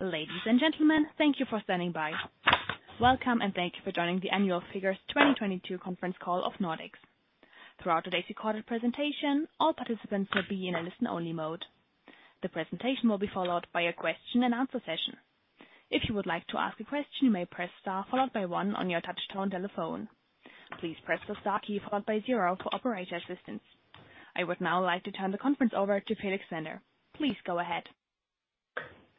Ladies and gentlemen, thank you for standing by. Welcome, and thank you for joining the annual figures 2022 conference call of Nordex. Throughout today's recorded presentation, all participants will be in a listen-only mode. The presentation will be followed by a question and answer session. If you would like to ask a question, you may press star followed by one on your touchtone telephone. Please press the star key followed by zero for operator assistance. I would now like to turn the conference over to Felix Zander. Please go ahead.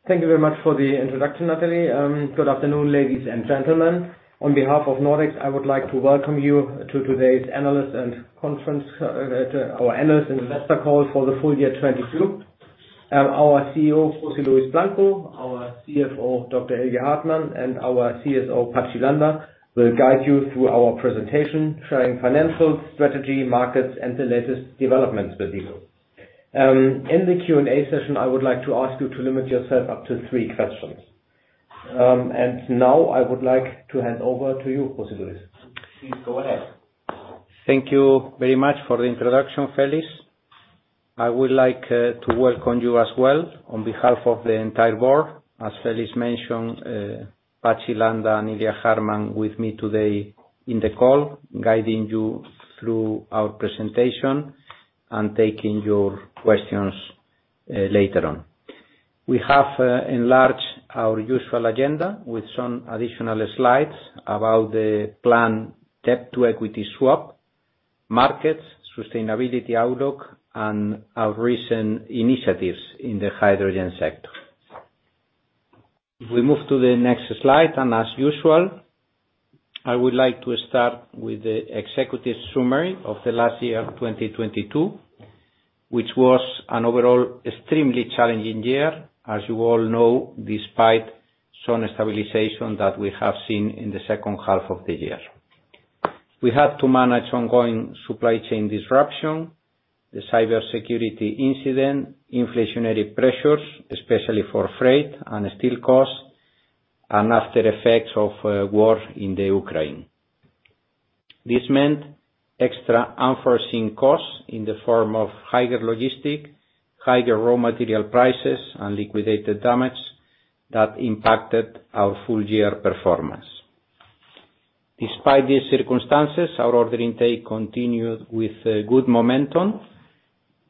Thank you very much for the introduction, Natalie. Good afternoon, ladies and gentlemen. On behalf of Nordex, I would like to welcome you to today's analyst and conference to our analyst investor call for the full year 2022. Our CEO, José Luis Blanco, our CFO, Dr. Ilya Hartmann, and our CSO, Patxi Landa, will guide you through our presentation, sharing financial, strategy, markets, and the latest developments with you. In the Q&A session, I would like to ask you to limit yourself up to three questions. Now I would like to hand over to you, José Luis. Please go ahead. Thank you very much for the introduction, Felix. I would like to welcome you as well on behalf of the entire board. As Felix mentioned, Patxi Landa and Ilya Hartmann with me today in the call, guiding you through our presentation and taking your questions later on. We have enlarged our usual agenda with some additional slides about the plan debt-to-equity swap, markets, sustainability outlook, and our recent initiatives in the hydrogen sector. If we move to the next slide, as usual, I would like to start with the executive summary of the last year, 2022, which was an overall extremely challenging year, as you all know, despite some stabilization that we have seen in the second half of the year. We had to manage ongoing supply chain disruption, the cybersecurity incident, inflationary pressures, especially for freight and steel costs, and after effects of war in the Ukraine. This meant extra unforeseen costs in the form of higher logistic, higher raw material prices, and liquidated damages that impacted our full year performance. Despite these circumstances, our order intake continued with good momentum,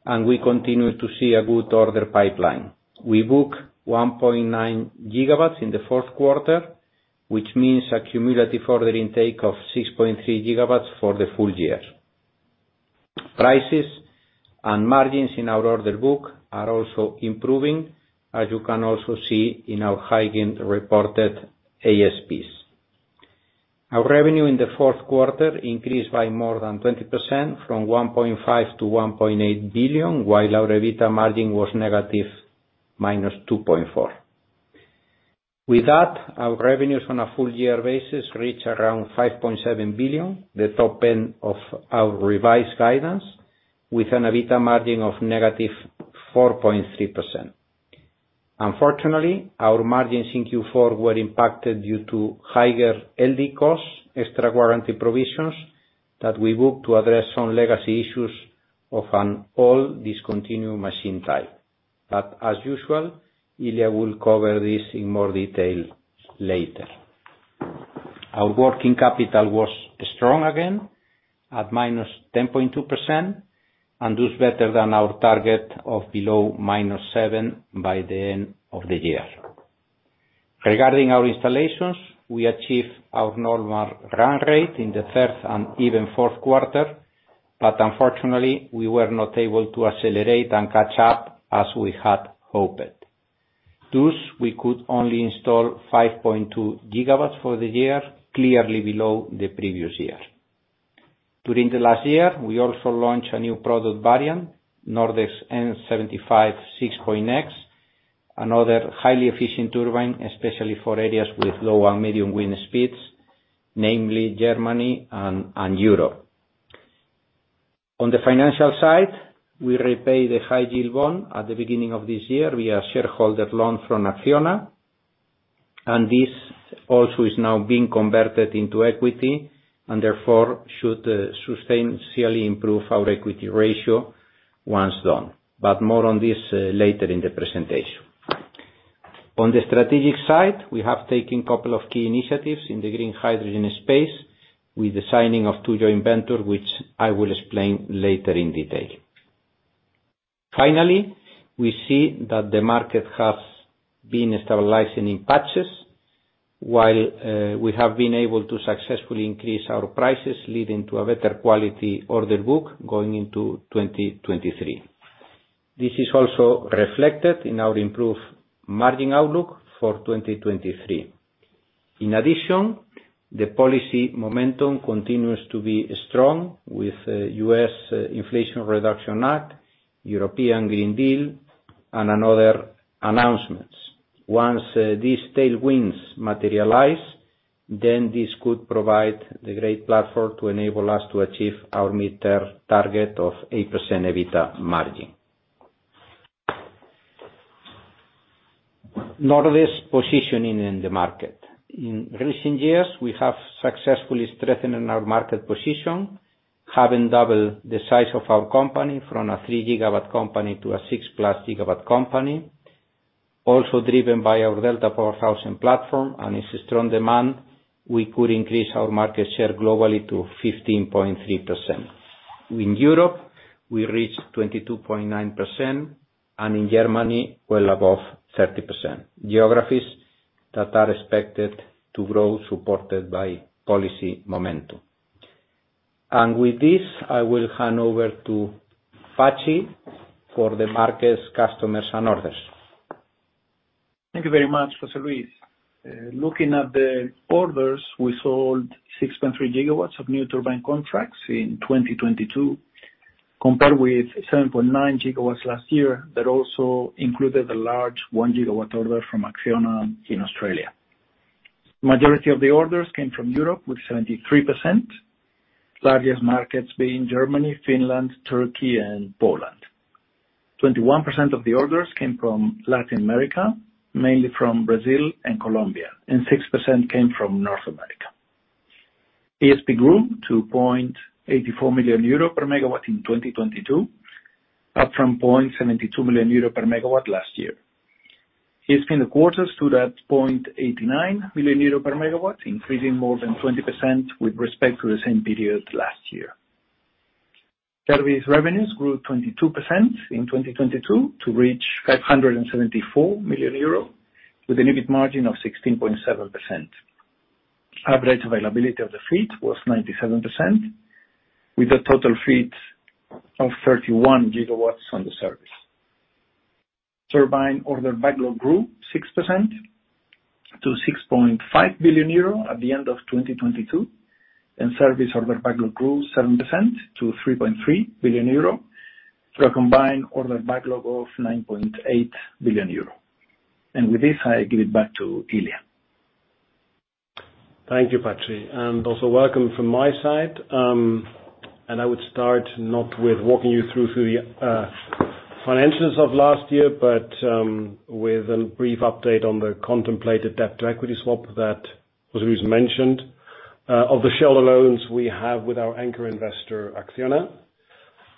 and we continue to see a good order pipeline. We booked 1.9 GW in the fourth quarter, which means a cumulative order intake of 6.3 GW for the full year. Prices and margins in our order book are also improving, as you can also see in our heightened reported ASPs. Our revenue in the fourth quarter increased by more than 20% from 1.5 billion-1.8 billion, while our EBITDA margin was -2.4%. Our revenues on a full year basis reach around 5.7 billion, the top end of our revised guidance, with an EBITDA margin of -4.3%. Unfortunately, our margins in Q4 were impacted due to higher LD costs, extra warranty provisions that we booked to address some legacy issues of an old discontinued machine type. As usual, Ilya will cover this in more detail later. Our working capital was strong again, at -10.2%, and does better than our target of below -7% by the end of the year. Regarding our installations, we achieved our normal run rate in the first and even fourth quarter, unfortunately, we were not able to accelerate and catch up as we had hoped. We could only install 5.2 GW for the year, clearly below the previous year. During the last year, we also launched a new product variant, Nordex N175/6.X, another highly efficient turbine, especially for areas with low and medium wind speeds, namely Germany and Europe. On the financial side, we repay the high-yield bond at the beginning of this year. We are shareholder loan from Acciona, and this also is now being converted into equity, and therefore should substantially improve our equity ratio once done. More on this later in the presentation. On the strategic side, we have taken couple of key initiatives in the green hydrogen space with the signing of two joint venture, which I will explain later in detail. Finally, we see that the market has been stabilizing in patches, while we have been able to successfully increase our prices, leading to a better quality order book going into 2023. This is also reflected in our improved margin outlook for 2023. In addition, the policy momentum continues to be strong with U.S. Inflation Reduction Act, European Green Deal, and another announcements. Once these tailwinds materialize, then this could provide the great platform to enable us to achieve our mid-term target of 8% EBITDA margin. Nordex positioning in the market. In recent years, we have successfully strengthened our market position. Having doubled the size of our company from a 3 GW company to a 6+ GW company, also driven by our Delta4000 platform and its strong demand, we could increase our market share globally to 15.3%. In Europe, we reached 22.9%, and in Germany, well above 30%. Geographies that are expected to grow, supported by policy momentum. With this, I will hand over to Patxi Landa for the markets, customers and orders. Thank you very much, José Luis. Looking at the orders, we sold 6.3 GW of new turbine contracts in 2022, compared with 7.9 GW last year that also included a large 1 GW order from Acciona in Australia. Majority of the orders came from Europe with 73%. Largest markets being Germany, Finland, Turkey and Poland. 21% of the orders came from Latin America, mainly from Brazil and Colombia, and 6% came from North America. ASP grew to 0.84 million euro per megawatt in 2022, up from 0.72 million euro per megawatt last year. ASP in the quarter stood at 0.89 million euro per megawatt, increasing more than 20% with respect to the same period last year. Service revenues grew 22% in 2022 to reach 574 million euros, with an EBIT margin of 16.7%. Average availability of the fleet was 97%, with a total fleet of 31 GW on the service. Turbine order backlog grew 6% to 6.5 billion euro at the end of 2022, and service order backlog grew 7% to 3.3 billion euro, for a combined order backlog of 9.8 billion euro. With this, I give it back to Ilya. Thank you, Patri. Also welcome from my side. I would start not with walking you through the financials of last year, but with a brief update on the contemplated debt-to-equity swap that Jose Luis mentioned, of the shareholder loans we have with our anchor investor, Acciona.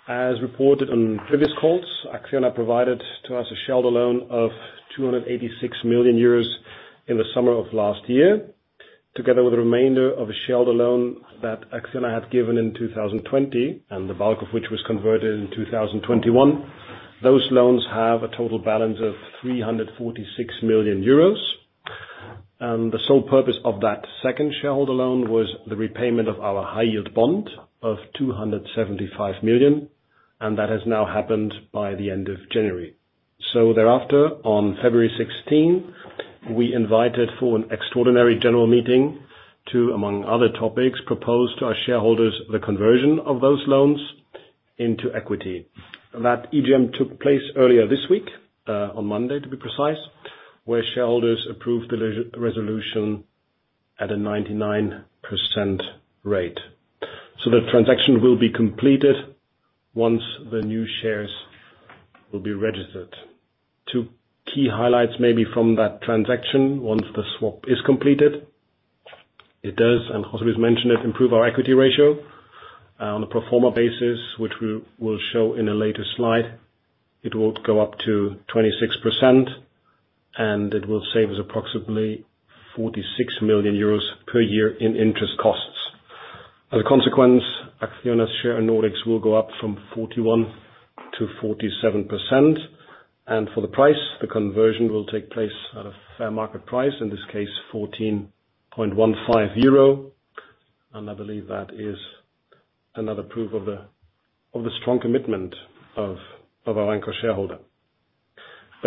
As reported on previous calls, Acciona provided to us a shareholder loan of 286 million euros in the summer of last year, together with the remainder of a shareholder loan that Acciona had given in 2020, and the bulk of which was converted in 2021. Those loans have a total balance of 346 million euros. The sole purpose of that second shareholder loan was the repayment of our high-yield bond of 275 million, and that has now happened by the end of January. Thereafter, on February 16th, we invited for an extraordinary general meeting to, among other topics, propose to our shareholders the conversion of those loans into equity. That EGM took place earlier this week, on Monday, to be precise, where shareholders approved the resolution at a 99% rate. The transaction will be completed once the new shares will be registered. Two key highlights maybe from that transaction, once the swap is completed, it does, and José Luis mentioned it, improve our equity ratio on a pro forma basis, which we'll show in a later slide. It will go up to 26%, and it will save us approximately 46 million euros per year in interest costs. As a consequence, Acciona's share in Nordex will go up from 41% to 47%. For the price, the conversion will take place at a fair market price, in this case, 14.15 euro. I believe that is another proof of the strong commitment of our anchor shareholder.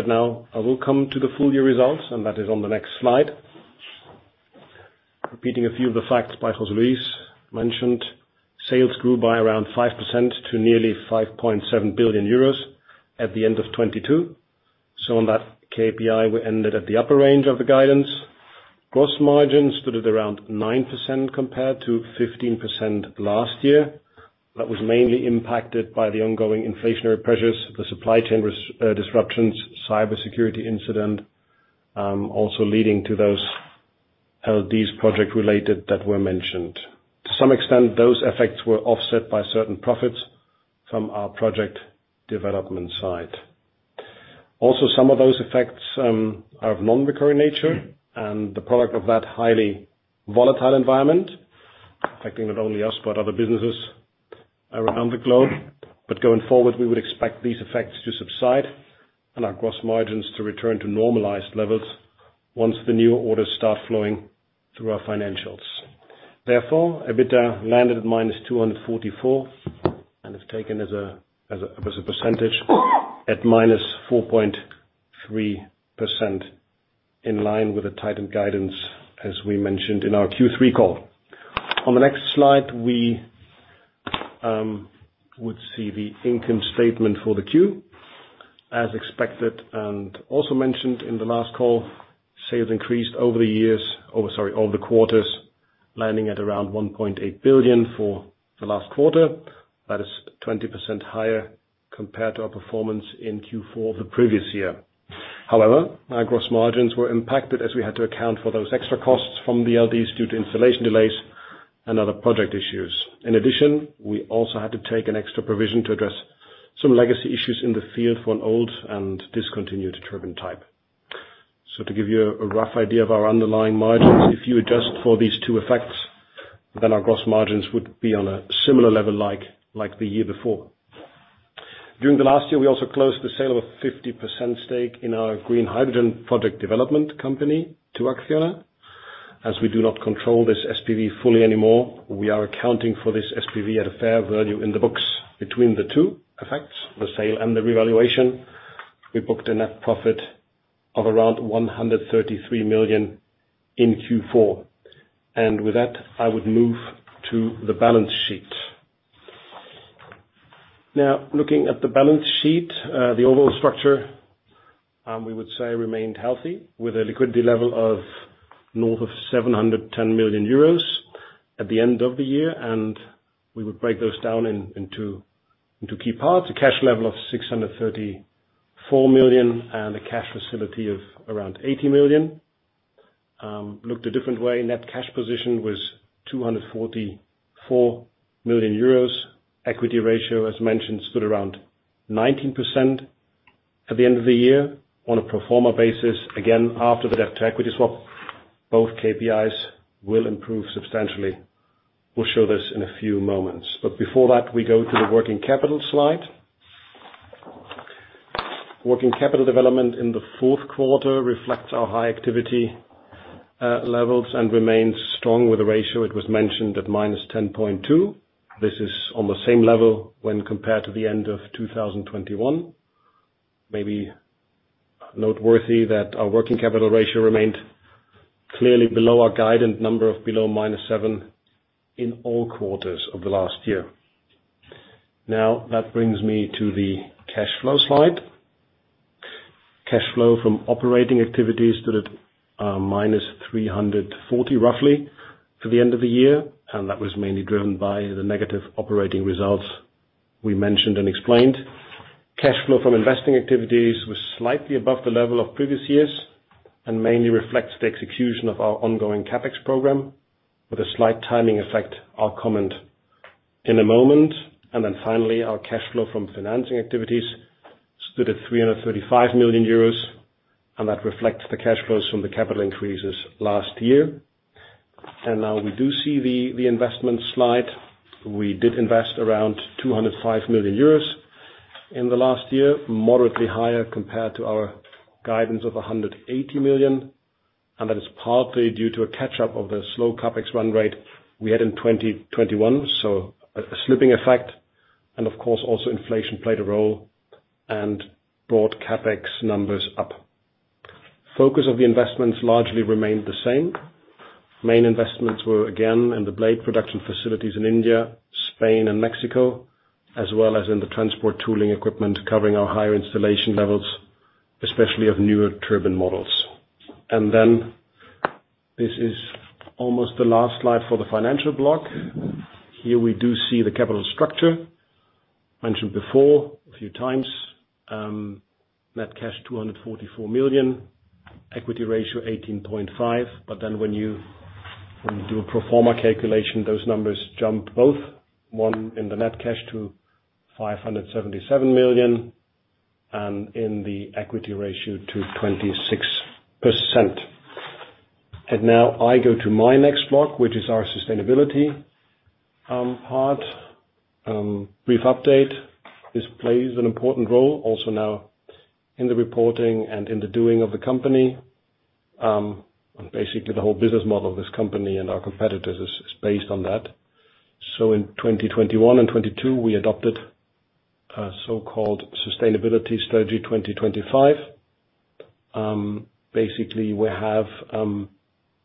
Now I will come to the full year results, and that is on the next slide. Repeating a few of the facts by José Luis mentioned. Sales grew by around 5% to nearly 5.7 billion euros at the end of 2022. On that KPI, we ended at the upper range of the guidance. Gross margins stood at around 9% compared to 15% last year. That was mainly impacted by the ongoing inflationary pressures, the supply chain disruptions, cybersecurity incident, also leading to those LDs project related that were mentioned. To some extent, those effects were offset by certain profits from our project development side. Also, some of those effects are of non-recurring nature and the product of that highly volatile environment, affecting not only us, but other businesses around the globe. Going forward, we would expect these effects to subside and our gross margins to return to normalized levels once the new orders start flowing through our financials. EBITDA landed at minus 244, and if taken as a percentage, at -4.3%, in line with the tightened guidance as we mentioned in our Q3 call. On the next slide, we would see the income statement for the Q. As expected, also mentioned in the last call, sales increased over the years, oh sorry, over the quarters, landing at around 1.8 billion for the last quarter. That is 20% higher compared to our performance in Q4 the previous year. Our gross margins were impacted as we had to account for those extra costs from the LDs due to installation delays and other project issues. In addition, we also had to take an extra provision to address some legacy issues in the field for an old and discontinued turbine type. To give you a rough idea of our underlying margins, if you adjust for these two effects, then our gross margins would be on a similar level like the year before. During the last year, we also closed the sale of a 50% stake in our green hydrogen project development company to Acciona. As we do not control this SPV fully anymore, we are accounting for this SPV at a fair value in the books between the two effects, the sale and the revaluation. We booked a net profit of around 133 million in Q4. With that, I would move to the balance sheet. Now, looking at the balance sheet, the overall structure, we would say remained healthy with a liquidity level of north of 710 million euros at the end of the year. We would break those down into key parts, a cash level of 634 million and a cash facility of around 80 million. Looked a different way. Net cash position was 244 million euros. Equity ratio, as mentioned, stood around 19% at the end of the year on a pro forma basis. After the debt-to-equity swap, both KPIs will improve substantially. We'll show this in a few moments, but before that, we go to the working capital slide. Working capital development in the fourth quarter reflects our high activity levels and remains strong with the ratio, it was mentioned, at -10.2%. This is on the same level when compared to the end of 2021. Maybe noteworthy that our working capital ratio remained clearly below our guidance number of below -7% in all quarters of the last year. That brings me to the cash flow slide. Cash flow from operating activities stood at minus 340 million roughly for the end of the year. That was mainly driven by the negative operating results we mentioned and explained. Cash flow from investing activities was slightly above the level of previous years and mainly reflects the execution of our ongoing CapEx program with a slight timing effect I'll comment in a moment. Finally, our cash flow from financing activities stood at 335 million euros, that reflects the cash flows from the capital increases last year. Now we do see the investment slide. We did invest around 205 million euros in the last year, moderately higher compared to our guidance of 180 million. That is partly due to a catch-up of the slow CapEx run rate we had in 2021. A slipping effect, and of course, also inflation played a role and brought CapEx numbers up. Focus of the investments largely remained the same. Main investments were again in the blade production facilities in India, Spain, and Mexico, as well as in the transport tooling equipment covering our higher installation levels, especially of newer turbine models. This is almost the last slide for the financial block. Here we do see the capital structure. Mentioned before a few times, net cash 244 million, equity ratio 18.5%. When you do a pro forma calculation, those numbers jump both, one in the net cash to 577 million and in the equity ratio to 26%. Now I go to my next block, which is our sustainability part. Brief update. This plays an important role also now in the reporting and in the doing of the company. Basically, the whole business model of this company and our competitors is based on that. In 2021 and 2022, we adopted a so-called Sustainability Strategy 2025. Basically, we have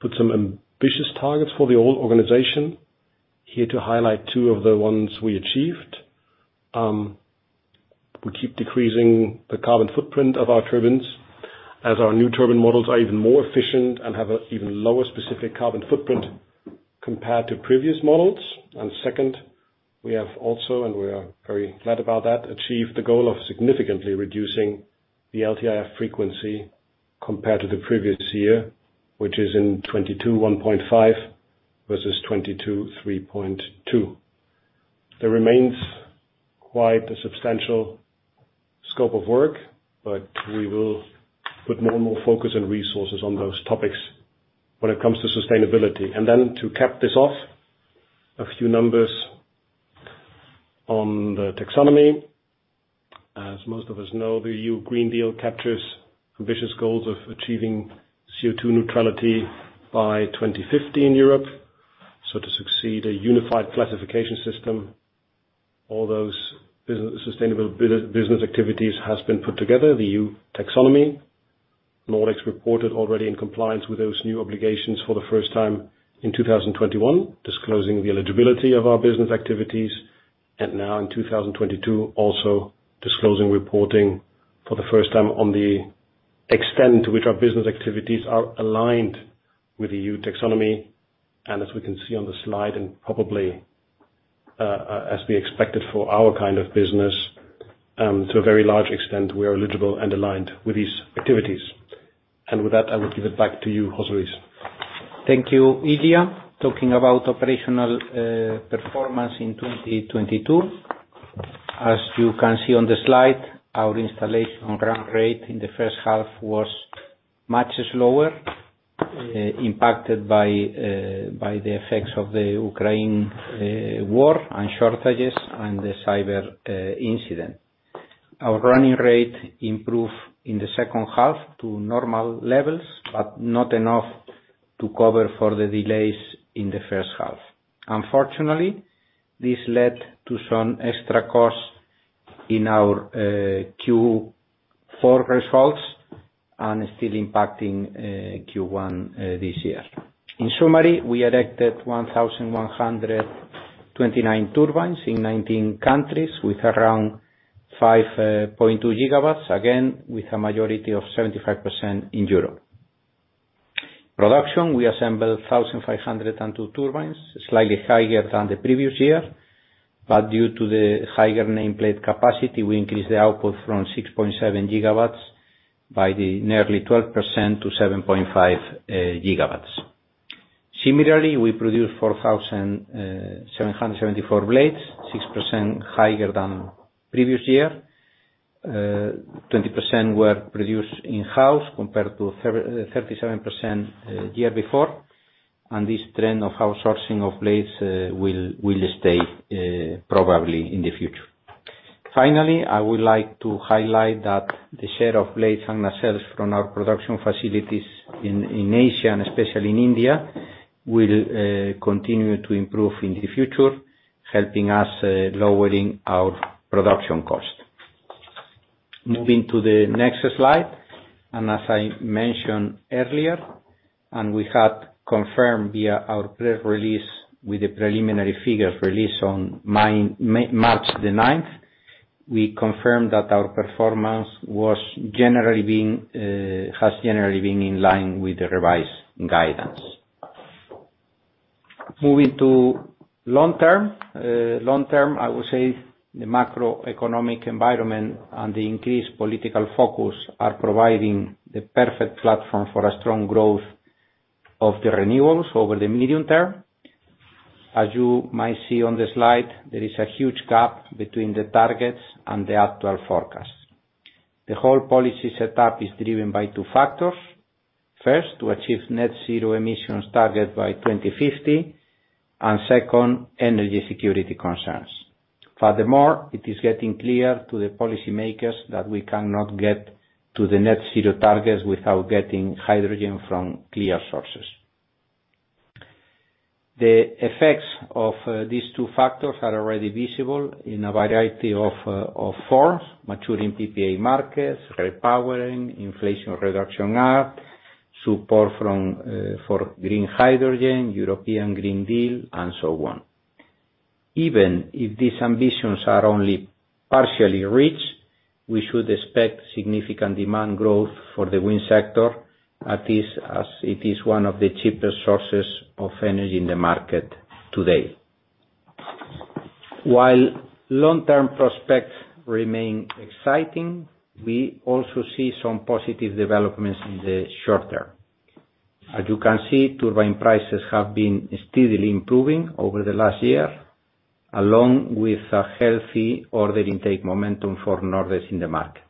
put some ambitious targets for the whole organization. Here to highlight two of the ones we achieved. We keep decreasing the carbon footprint of our turbines as our new turbine models are even more efficient and have an even lower specific carbon footprint compared to previous models. Second, we have also, and we are very glad about that, achieved the goal of significantly reducing the LTIF frequency compared to the previous year, which is in 2022, 1.5, versus 2022, 3.2. There remains quite a substantial scope of work, but we will put more and more focus and resources on those topics when it comes to sustainability. Then to cap this off, a few numbers on the taxonomy. As most of us know, the European Green Deal captures ambitious goals of achieving CO2 neutrality by 2050 in Europe. To succeed a unified classification system, all those sustainable business activities has been put together, the EU taxonomy. Nordex reported already in compliance with those new obligations for the first time in 2021, disclosing the eligibility of our business activities. Now in 2022, also disclosing reporting for the first time on the extent to which our business activities are aligned with the EU taxonomy. As we can see on the slide, and probably as we expected for our kind of business, to a very large extent, we are eligible and aligned with these activities. With that, I will give it back to you, José Luis. Thank you, Ilya. Talking about operational performance in 2022, as you can see on the slide, our installation run rate in the first half was much slower, impacted by the effects of the Ukraine war and shortages and the cyber incident. Our running rate improved in the second half to normal levels, but not enough to cover for the delays in the first half. Unfortunately, this led to some extra costs in our Q4 results and is still impacting Q1 this year. In summary, we erected 1,129 turbines in 19 countries with around 5.2 GW, again, with a majority of 75% in Europe. Production, we assembled 1,502 turbines, slightly higher than the previous year, but due to the higher nameplate capacity, we increased the output from 6.7 GW by the nearly 12% to 7.5 GW. Similarly, we produced 4,774 blades, 6% higher than previous year. 20% were produced in-house compared to 37% year before. This trend of outsourcing of blades will stay probably in the future. Finally, I would like to highlight that the share of blades and nacelles from our production facilities in Asia, and especially in India, will continue to improve in the future, helping us lowering our production cost. Moving to the next slide. As I mentioned earlier, we had confirmed via our press release with the preliminary figures released on March 9, we confirmed that our performance has generally been in line with the revised guidance. Moving to long term. Long term, I would say the macroeconomic environment and the increased political focus are providing the perfect platform for a strong growth of the renewables over the medium term. As you might see on the slide, there is a huge gap between the targets and the actual forecast. The whole policy setup is driven by two factors. First, to achieve Net-Zero emissions target by 2050, and second, energy security concerns. Furthermore, it is getting clear to the policymakers that we cannot get to the Net-Zero targets without getting hydrogen from clear sources. The effects of these two factors are already visible in a variety of forms, maturing PPA markets, repowering, Inflation Reduction Act, support from for green hydrogen, European Green Deal, and so on. Even if these ambitions are only partially reached, we should expect significant demand growth for the wind sector, at least as it is one of the cheapest sources of energy in the market today. While long-term prospects remain exciting, we also see some positive developments in the short term. As you can see, turbine prices have been steadily improving over the last year, along with a healthy order intake momentum for Nordex in the market.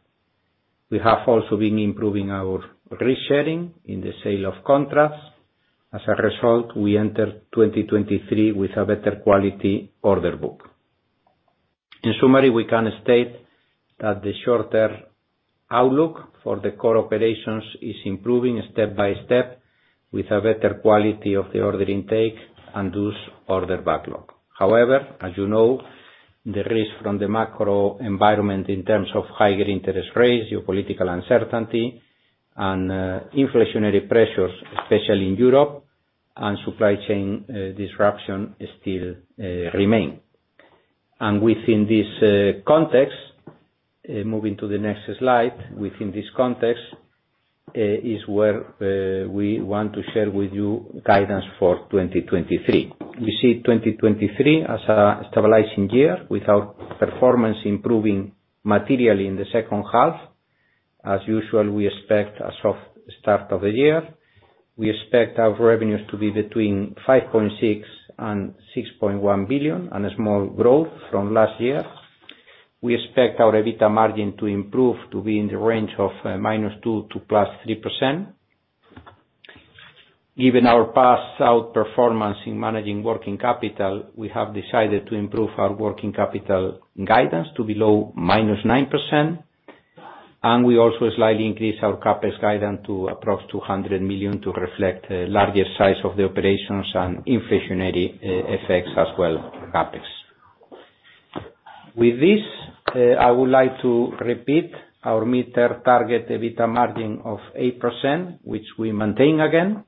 We have also been improving our risk sharing in the sale of contracts. As a result, we enter 2023 with a better quality order book. In summary, we can state that the shorter outlook for the core operations is improving step by step with a better quality of the order intake and thus order backlog. However, as you know, the risk from the macro environment in terms of higher interest rates, geopolitical uncertainty, and inflationary pressures, especially in Europe and supply chain disruption, still remain. Within this context, moving to the next slide, within this context is where we want to share with you guidance for 2023. We see 2023 as a stabilizing year with our performance improving materially in the second half. As usual, we expect a soft start of the year. We expect our revenues to be between 5.6 billion and 6.1 billion on a small growth from last year. We expect our EBITDA margin to improve to be in the range of -2% to +3%. Given our past outperformance in managing working capital, we have decided to improve our working capital guidance to below -9%, and we also slightly increased our CapEx guidance to approx 200 million to reflect the larger size of the operations and inflationary effects as well for CapEx. With this, I would like to repeat our mid-term target, the EBITDA margin of 8%, which we maintain again.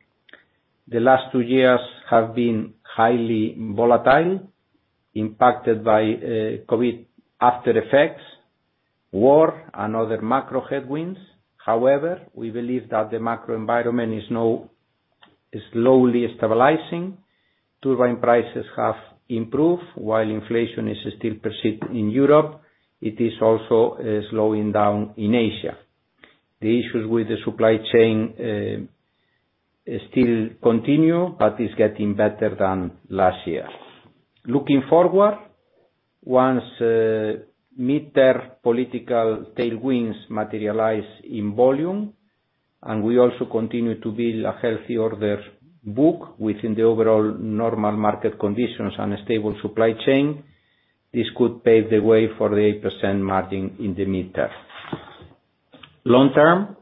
The last two years have been highly volatile, impacted by COVID after effects, war, and other macro headwinds. We believe that the macro environment now is slowly stabilizing. Turbine prices have improved while inflation is still perceived in Europe. It is also slowing down in Asia. The issues with the supply chain still continue, but is getting better than last year. Looking forward, once mid-term political tailwinds materialize in volume, and we also continue to build a healthy order book within the overall normal market conditions and a stable supply chain, this could pave the way for the 8% margin in the mid-term. Long term,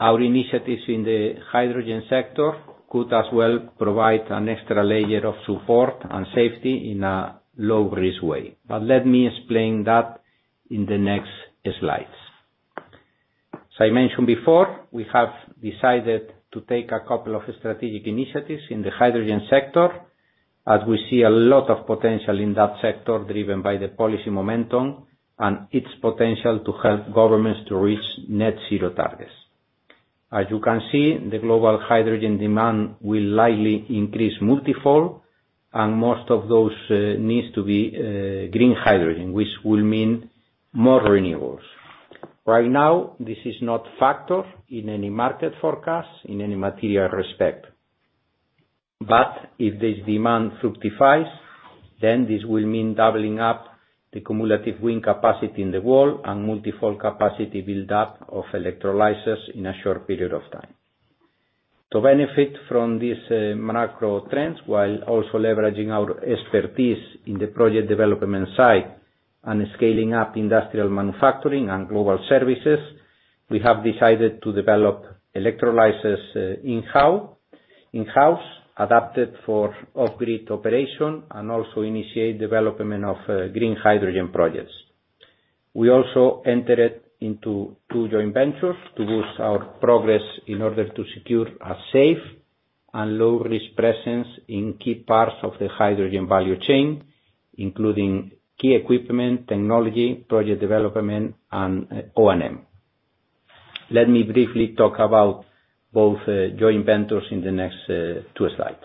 our initiatives in the hydrogen sector could as well provide an extra layer of support and safety in a low-risk way. Let me explain that in the next slides. As I mentioned before, we have decided to take a couple of strategic initiatives in the hydrogen sector as we see a lot of potential in that sector, driven by the policy momentum and its potential to help governments to reach net zero targets. As you can see, the global hydrogen demand will likely increase multifold, and most of those needs to be green hydrogen, which will mean more renewables. Right now, this is not factored in any market forecast in any material respect. If this demand fructifies, then this will mean doubling up the cumulative wind capacity in the world and multifold capacity build-up of electrolyzers in a short period of time. To benefit from these macro trends while also leveraging our expertise in the project development side and scaling up industrial manufacturing and global services, we have decided to develop electrolyzers in-house, adapted for off-grid operation, and also initiate development of green hydrogen projects. We also entered into two joint ventures to boost our progress in order to secure a safe and low-risk presence in key parts of the hydrogen value chain, including key equipment, technology, project development, and O&M. Let me briefly talk about both joint ventures in the next 2 slides.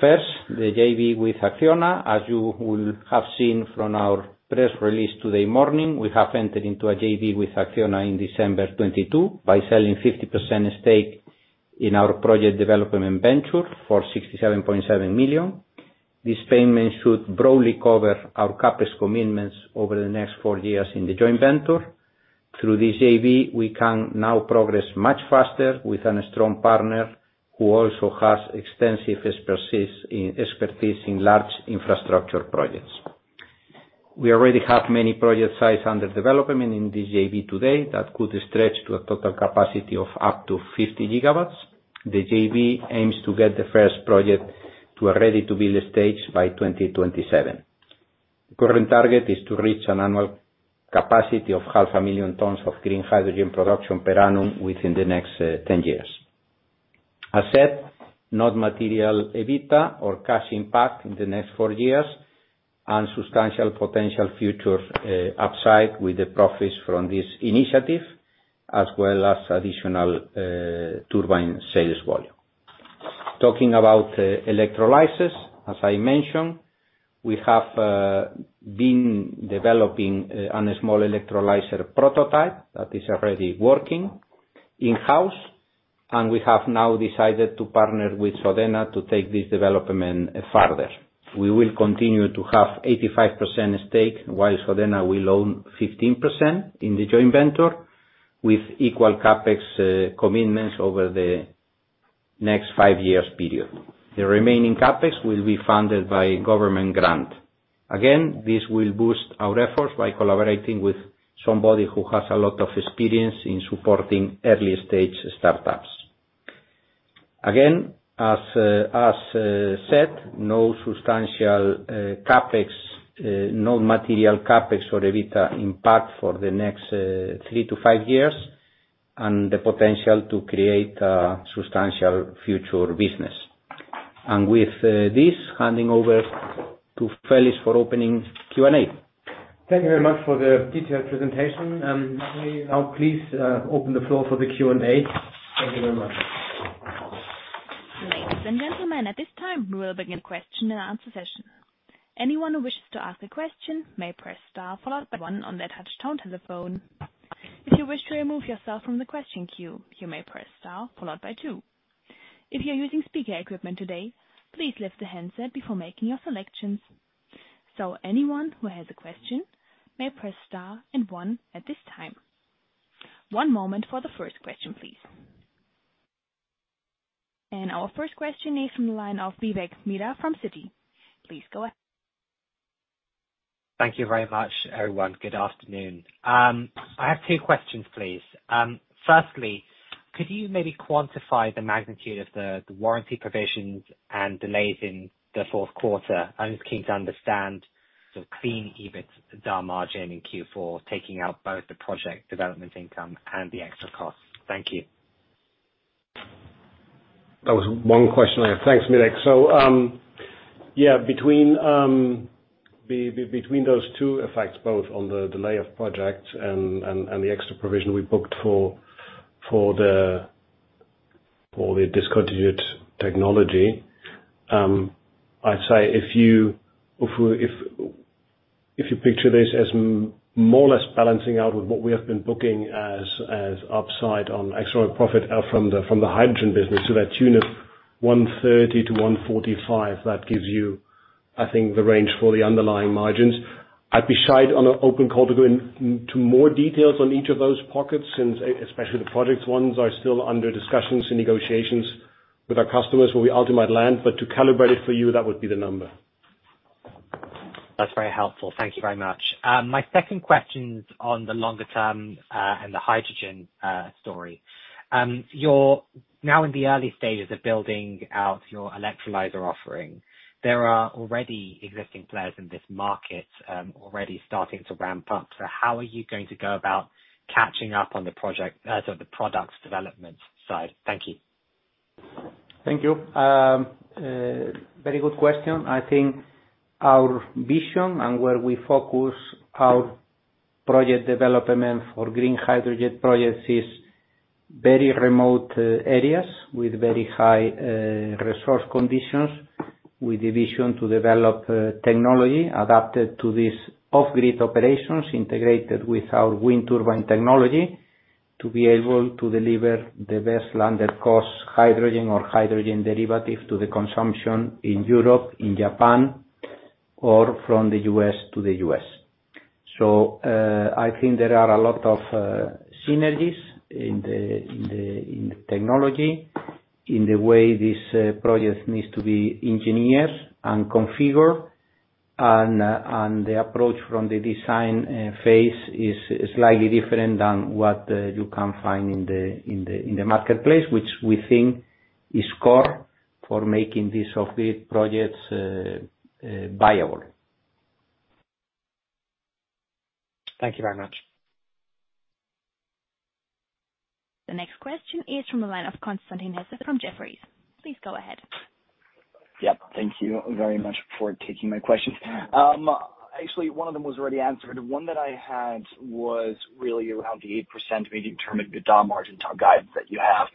First, the JV with Acciona. As you will have seen from our press release today morning, we have entered into a JV with Acciona in December 2022 by selling 50% stake in our project development venture for 67.7 million. This payment should broadly cover our CapEx commitments over the next four years in the joint venture. Through this JV, we can now progress much faster with a strong partner who also has extensive expertise in large infrastructure projects. We already have many project sites under development in this JV today that could stretch to a total capacity of up to 50 GW. The JV aims to get the first project to a ready-to-build stage by 2027. Current target is to reach an annual capacity of half a million tons of green hydrogen production per annum within the next 10 years. As said, not material, EBITDA or cash impact in the next four years and substantial potential future upside with the profits from this initiative, as well as additional turbine sales volume. Talking about electrolysis, as I mentioned, we have been developing on a small electrolyzer prototype that is already working in-house, and we have now decided to partner with Sodena to take this development further. We will continue to have 85% stake while Sodena will own 15% in the joint venture with equal CapEx commitments over the next five years period. The remaining CapEx will be funded by government grant. Again, this will boost our efforts by collaborating with somebody who has a lot of experience in supporting early-stage startups. Again, as said, no substantial CapEx, no material CapEx or EBITDA impact for the next three to five years and the potential to create a substantial future business. With this, handing over to Felix for opening Q&A. Thank you very much for the detailed presentation. May now, please, open the floor for the Q&A. Thank you very much. Ladies and gentlemen, at this time, we'll begin the question and answer session. Anyone who wishes to ask a question may press star followed by one on their touchtone telephone. If you wish to remove yourself from the question queue, you may press star followed by two. If you're using speaker equipment today, please lift the handset before making your selections. Anyone who has a question may press star and one at this time. One moment for the first question, please. Our first question is from the line of Vivek Midha from Citi. Thank you very much, everyone. Good afternoon. I have two questions, please. Firstly, could you maybe quantify the magnitude of the warranty provisions and delays in the fourth quarter? I'm just keen to understand the clean EBITDA margin in Q4, taking out both the project development income and the extra costs. Thank you. That was one question I have. Thanks, Vivek. Yeah, between those two effects, both on the delay of projects and the extra provision we booked for the discontinued technology, I'd say if you picture this as more or less balancing out with what we have been booking as upside on extraordinary profit out from the hydrogen business to the tune of 130-145, that gives you, I think, the range for the underlying margins. I'd be shy on an open call to go into more details on each of those pockets, since especially the project ones, are still under discussions and negotiations with our customers where we ultimate land. To calibrate it for you, that would be the number. That's very helpful. Thank you very much. My second question is on the longer term and the hydrogen story. You're now in the early stages of building out your electrolyzer offering. There are already existing players in this market, already starting to ramp up. How are you going to go about catching up on the product development side? Thank you. Thank you. Very good question. I think our vision and where we focus our project development for green hydrogen projects is very remote areas with very high resource conditions, with the vision to develop technology adapted to these off-grid operations, integrated with our wind turbine technology, to be able to deliver the best landed cost hydrogen or hydrogen derivative to the consumption in Europe, in Japan, or from the U.S. to the U.S. I think there are a lot of synergies in the technology, in the way this project needs to be engineered and configured and the approach from the design phase is slightly different than what you can find in the marketplace, which we think is core for making these off-grid projects viable. Thank you very much. The next question is from the line of Constantin Hesse from Jefferies. Please go ahead. Yep. Thank you very much for taking my questions. Actually one of them was already answered. One that I had was really around the 8% medium-term EBITDA margin top guidance that you have.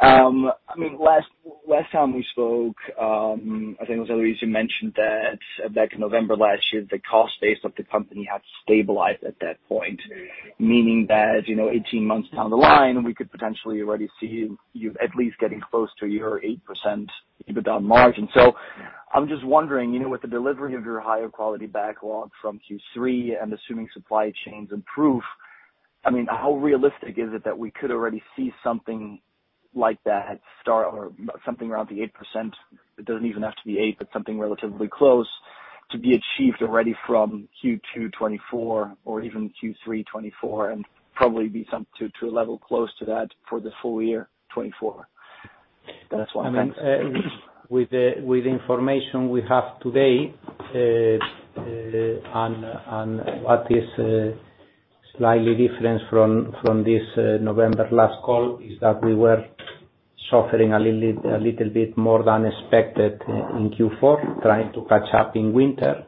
I mean, last time we spoke, I think it was Luis, you mentioned that back in November last year, the cost base of the company had stabilized at that point, meaning that, you know, 18 months down the line, we could potentially already see you at least getting close to your 8% EBITDA margin. I'm just wondering, you know, with the delivery of your higher quality backlog from Q3 and assuming supply chains improve, I mean, how realistic is it that we could already see something like that start or something around the 8%, it doesn't even have to be eight, but something relatively close to be achieved already from Q2 2024 or even Q3 2024, and probably be some to a level close to that for the full year 2024. That's why. I mean, with the information we have today, on what is slightly different from this November last call, is that we were suffering a little bit more than expected in Q4, trying to catch up in winter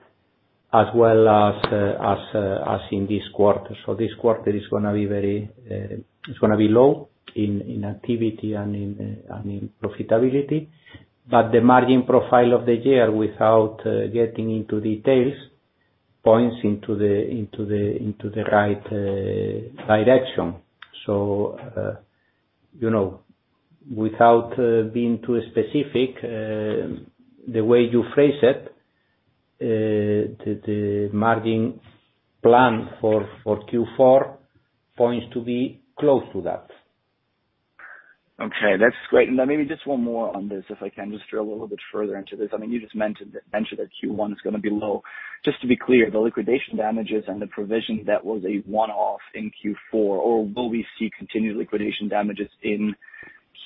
as well as in this quarter. This quarter is gonna be very, is gonna be low in activity and in profitability. The margin profile of the year, without getting into details, points into the right direction. You know, without being too specific, the way you phrase it, the margin plan for Q4 points to be close to that. Okay, that's great. Then maybe just one more on this, if I can just drill a little bit further into this. I mean, you just mentioned that Q1 is gonna be low. Just to be clear, the liquidated damages and the provision, that was a one-off in Q4 or will we see continued liquidated damages in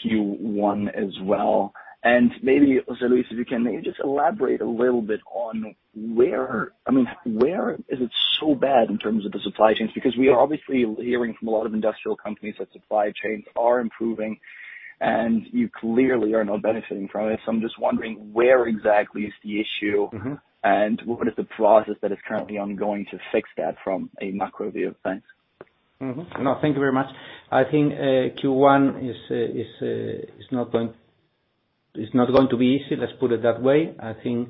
Q1 as well? Maybe, José Luis, if you can maybe just elaborate a little bit on, I mean, where is it so bad in terms of the supply chains? We are obviously hearing from a lot of industrial companies that supply chains are improving, and you clearly are not benefiting from it. I'm just wondering where exactly is the issue- Mm-hmm. What is the process that is currently ongoing to fix that from a macro view? Thanks. Thank you very much. I think Q1 is not going to be easy, let's put it that way. I think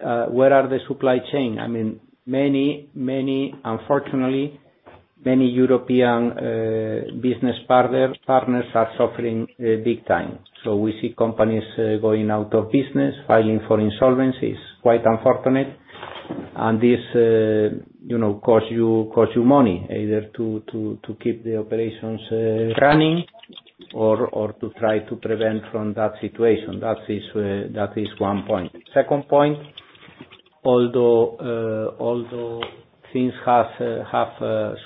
where are the supply chain? I mean, many, unfortunately, many European business partners are suffering big time. We see companies going out of business, filing for insolvencies, quite unfortunate. This, you know, cost you money, either to keep the operations running or to try to prevent from that situation. That is one point. Second point, although things have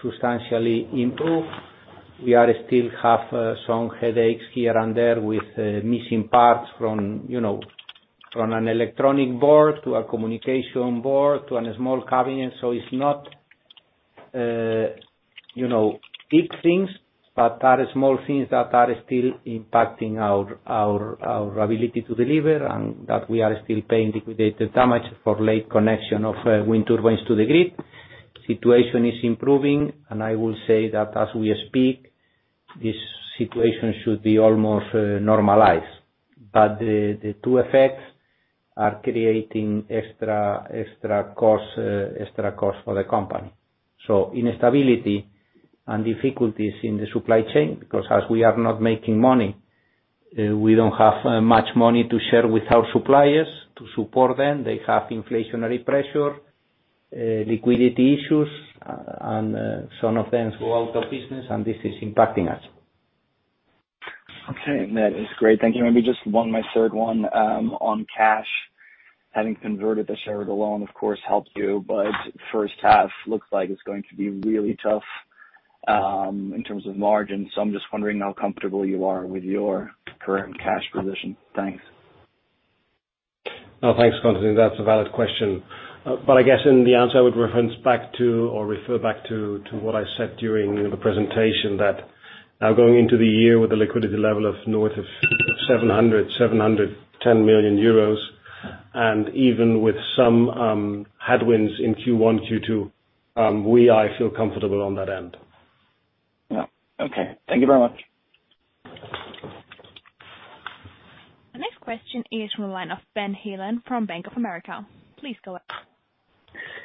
substantially improved, we are still have some headaches here and there with missing parts from, you know, from an electronic board to a communication board to a small cabinet. It's not, you know, big things, but are small things that are still impacting our, our ability to deliver and that we are still paying Liquidated Damages for late connection of wind turbines to the grid. Situation is improving. I will say that as we speak, this situation should be almost normalized. The two effects are creating extra costs for the company. Instability and difficulties in the supply chain, because as we are not making money, we don't have much money to share with our suppliers to support them. They have inflationary pressure, liquidity issues, and some of them go out of business, and this is impacting us. Okay. That is great. Thank you. Maybe just one more third one on cash. Having converted the shared loan of course helps you. First half looks like it's going to be really tough in terms of margins, so I'm just wondering how comfortable you are with your current cash position. Thanks. Oh, thanks for calling in. That's a valid question. I guess in the answer, I would reference back to or refer back to what I said during the presentation that now going into the year with a liquidity level of north of 710 million euros, and even with some headwinds in Q1, Q2, I feel comfortable on that end. Yeah. Okay. Thank you very much. Our next question is from the line of Benjamin Heelan from Bank of America. Please go ahead.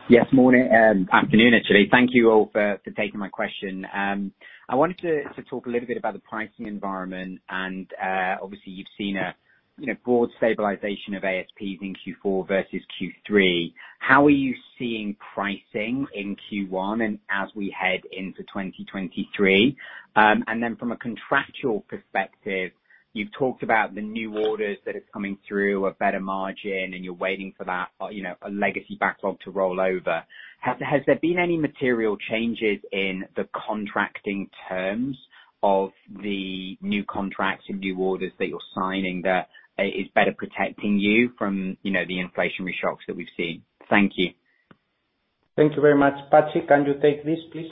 Yes, morning, afternoon, actually. Thank you all for taking my question. I wanted to talk a little bit about the pricing environment. Obviously, you've seen a, you know, broad stabilization of ASPs in Q4 versus Q3. How are you seeing pricing in Q1 and as we head into 2023? Then from a contractual perspective, you've talked about the new orders that is coming through, a better margin, and you're waiting for that, you know, a legacy backlog to roll over. Has there been any material changes in the contracting terms of the new contracts and new orders that you're signing that is better protecting you from, you know, the inflationary shocks that we've seen? Thank you. Thank you very much. Patxi, can you take this, please?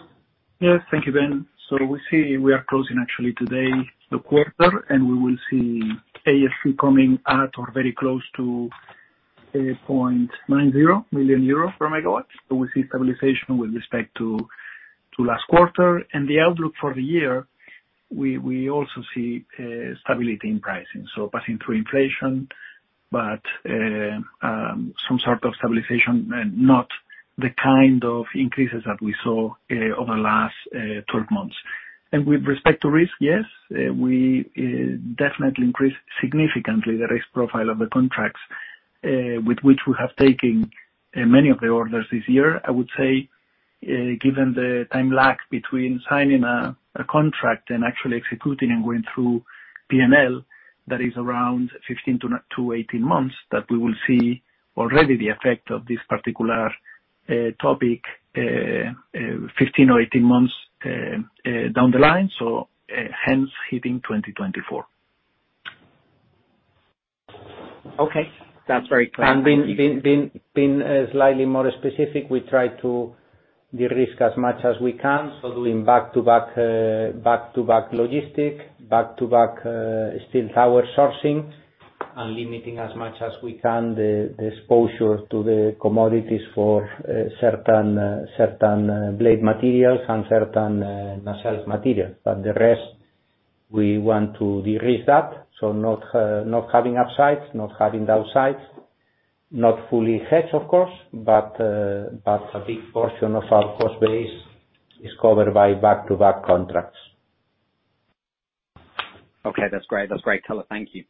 Yes. Thank you, Ben. We see we are closing actually today the quarter, and we will see ASP coming at or very close to 8.90 million euro per megawatt. We see stabilization with respect to last quarter. The outlook for the year, we also see stability in pricing. Passing through inflation, but some sort of stabilization and not the kind of increases that we saw over the last 12 months. With respect to risk, yes, we definitely increased significantly the risk profile of the contracts with which we have taken many of the orders this year. I would say, given the time lag between signing a contract and actually executing and going through P&L, that is around 15 to 18 months, that we will see already the effect of this particular topic, 15 or 18 months down the line, so hence hitting 2024. Okay. That's very clear. Thank you. Being slightly more specific, we try to de-risk as much as we can, so doing back-to-back, back-to-back logistic, back-to-back steel tower sourcing, and limiting as much as we can the exposure to the commodities for certain blade materials and certain nacelle materials. The rest, we want to de-risk that, so not having upsides, not having downsides, not fully hedged of course, but a big portion of our cost base is covered by back-to-back contracts. Okay, that's great. That's great. Thank you.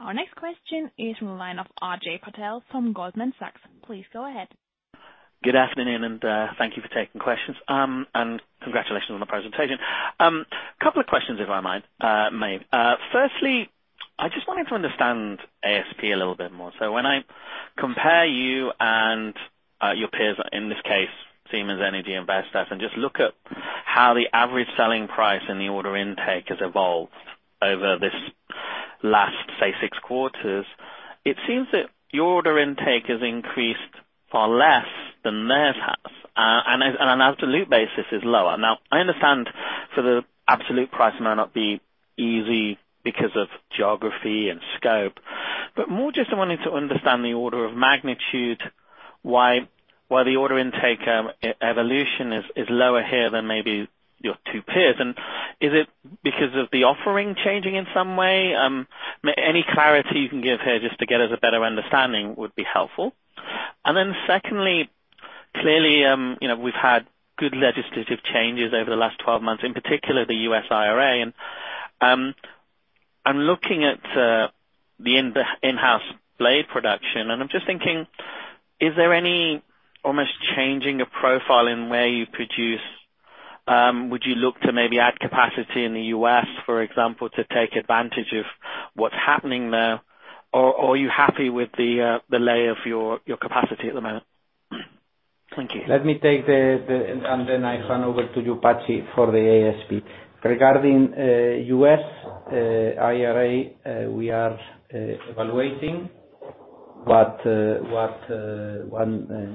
Our next question is from a line of Ajay Patel from Goldman Sachs. Please go ahead. Good afternoon, thank you for taking questions. Congratulations on the presentation. Couple of questions, if I might, may. Firstly, I just wanted to understand ASP a little bit more. When I compare you and your peers, in this case, Siemens Energy and Vestas, and just look at how the average selling price in the order intake has evolved over this last, say, six quarters, it seems that your order intake has increased far less than theirs has. An absolute basis is lower. Now, I understand for the absolute price may not be easy because of geography and scope, but more just wanting to understand the order of magnitude, why the order intake evolution is lower here than maybe your two peers. Is it because of the offering changing in some way? Any clarity you can give here just to get us a better understanding would be helpful. Clearly, you know, we've had good legislative changes over the last 12 months, in particular the U.S. IRA. I'm looking at the in-house blade production, and I'm just thinking, is there any almost changing of profile in where you produce? Would you look to maybe add capacity in the U.S., for example, to take advantage of what's happening there? Are you happy with the lay of your capacity at the moment? Let me take the. Then I hand over to you, Patxi, for the ASP. Regarding U.S. IRA, we are evaluating what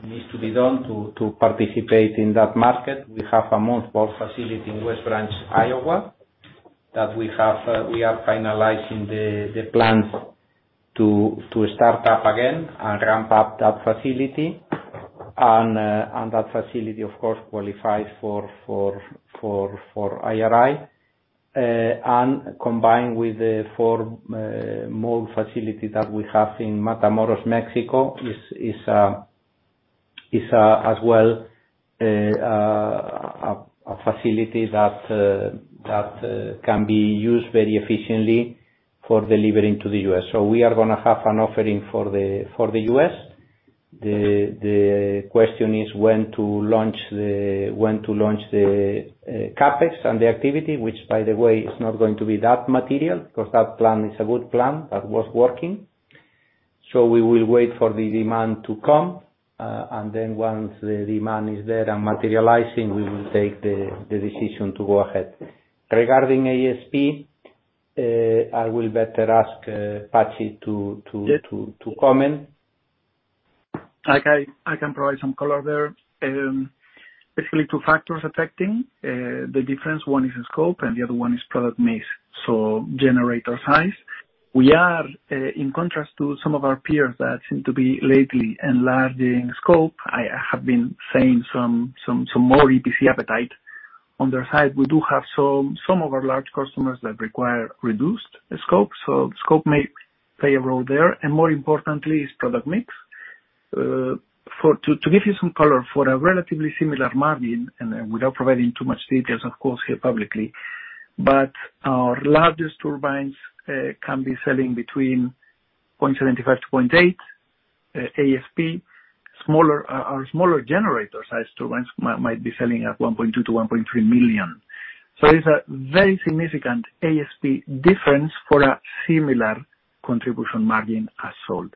needs to be done to participate in that market. We have a multiple facility in West Branch, Iowa, that we are finalizing the plans to start up again and ramp up that facility. That facility, of course, qualifies for IRA. Combined with the four more facility that we have in Matamoros, Mexico is as well a facility that can be used very efficiently for delivering to the U.S. We are gonna have an offering for the U.S. The question is when to launch the CapEx and the activity, which by the way is not going to be that material, 'cause that plan is a good plan that was working. We will wait for the demand to come, and once the demand is there and materializing, we will take the decision to go ahead. Regarding ASP, I will better ask Patxi to. Yes. To comment. I can provide some color there. Basically two factors affecting the difference. One is the scope and the other one is product mix. Generator size. We are in contrast to some of our peers that seem to be lately enlarging scope, I have been saying some more EPC appetite on their side. We do have some of our large customers that require reduced scope, so scope may play a role there. More importantly is product mix. To give you some color, for a relatively similar margin, and without providing too much details of course here publicly, but our largest turbines can be selling between 0.75 million-0.8 million ASP. Smaller, our smaller generator size turbines might be selling at 1.2 million-1.3 million. It's a very significant ASP difference for a similar contribution margin as sold.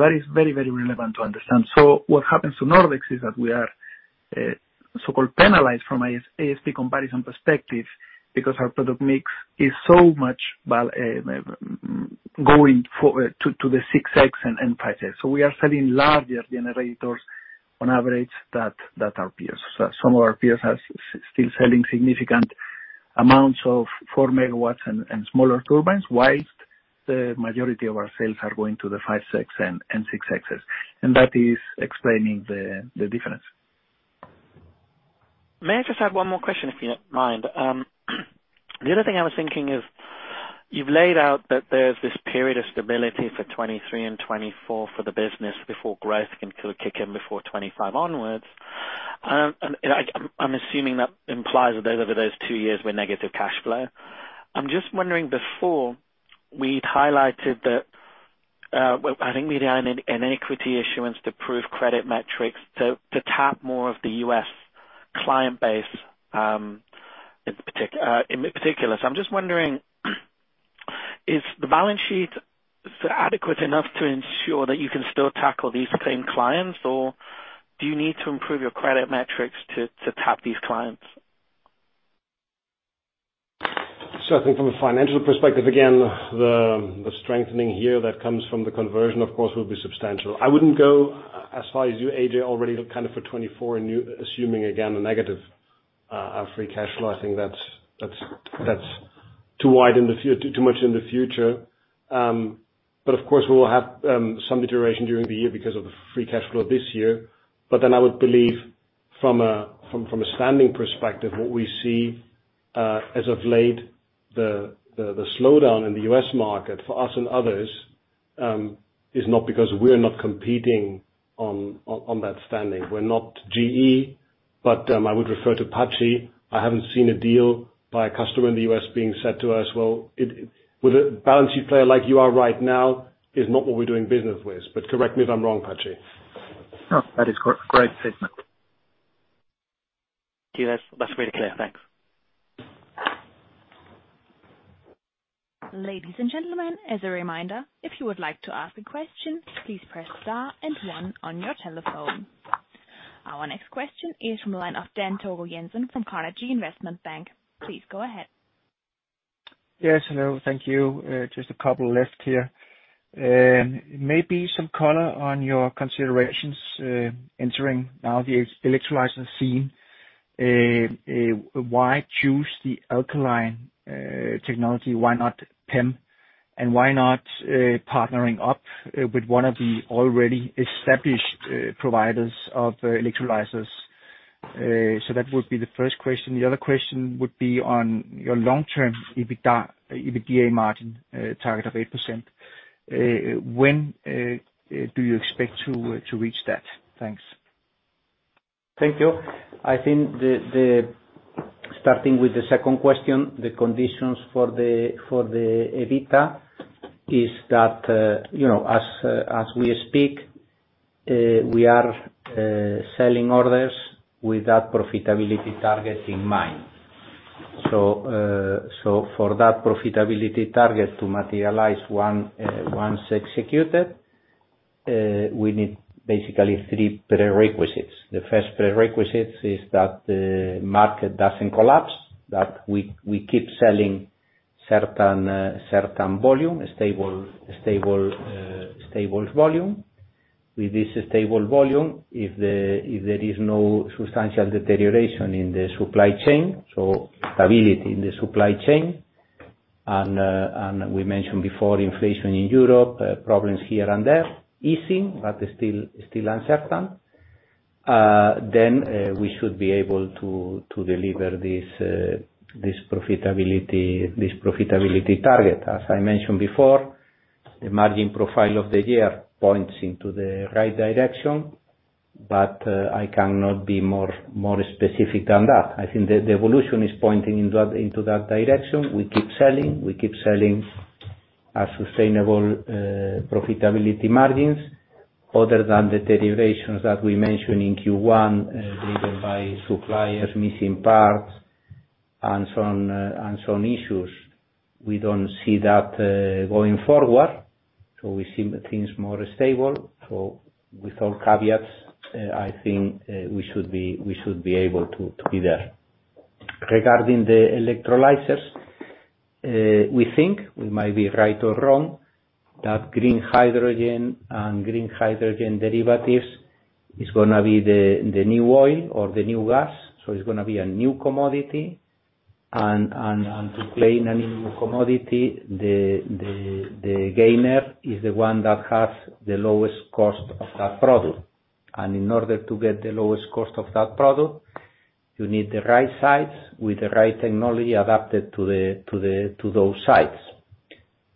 That is very, very relevant to understand. What happens to Nordex is that we are so-called penalized from ASP comparison perspective because our product mix is so much going forward to the 6.X and 5.X. We are selling larger generators on average that our peers. Some of our peers are still selling significant amounts of 4 MW and smaller turbines, whilst the majority of our sales are going to the 5X and 6Xs. That is explaining the difference. May I just add one more question, if you don't mind? The other thing I was thinking is you've laid out that there's this period of stability for 2023 and 2024 for the business before growth can kind of kick in before 2025 onwards. And I'm assuming that implies that over those two years, we're negative cash flow. I'm just wondering, before, we'd highlighted that, well, I think we done an equity issuance to prove credit metrics to tap more of the U.S. client base, in particular. I'm just wondering, is the balance sheet adequate enough to ensure that you can still tackle these same clients, or do you need to improve your credit metrics to tap these clients? I think from a financial perspective, again, the strengthening here that comes from the conversion, of course, will be substantial. I wouldn't go as far as you, Ajay, already kind of for 2024 and you assuming, again, a negative free cash flow. I think that's too much in the future. Of course, we will have some deterioration during the year because of the free cash flow this year. I would believe from a standing perspective, what we see as of late, the slowdown in the U.S. market for us and others is not because we're not competing on that standing. We're not GE, I would refer to Patxi. I haven't seen a deal by a customer in the U.S. being said to us, With a balance sheet player like you are right now is not what we're doing business with, but correct me if I'm wrong, Patxi. No, that is correct statement. Okay, that's really clear. Thanks. Ladies and gentlemen, as a reminder, if you would like to ask a question, please press star and one on your telephone. Our next question is from line of Dan Togo Jensen from Carnegie Investment Bank. Please go ahead. Yes, hello. Thank you. Just a couple left here. Maybe some color on your considerations, entering now the electrolyzer scene. Why choose the alkaline technology? Why not PEM? Why not partnering up with one of the already established providers of electrolyzers? That would be the first question. The other question would be on your long-term EBITDA margin, target of 8%. When do you expect to reach that? Thanks. Thank you. I think the, starting with the second question, the conditions for the, for the EBITDA is that, you know, as we speak, we are selling orders with that profitability target in mind. So, for that profitability target to materialize once executed, we need basically three prerequisites. The first prerequisite is that the market doesn't collapse, that we keep selling certain volume, stable, stable volume. With this stable volume, if there is no substantial deterioration in the supply chain, so stability in the supply chain, and we mentioned before inflation in Europe, problems here and there, easing, but still uncertain, then we should be able to deliver this profitability, this profitability target. As I mentioned before, the margin profile of the year points into the right direction, but I cannot be more specific than that. I think the evolution is pointing into that direction. We keep selling. We keep selling a sustainable profitability margins other than the deteriorations that we mentioned in Q1, driven by suppliers missing parts and some and some issues. We don't see that going forward, so we see the things more stable. With all caveats, I think we should be able to be there. Regarding the electrolyzers, we think, we might be right or wrong, that green hydrogen and green hydrogen derivatives is gonna be the new oil or the new gas. It's gonna be a new commodity and to play in a new commodity, the gainer is the one that has the lowest cost of that product. In order to get the lowest cost of that product, you need the right sites with the right technology adapted to those sites.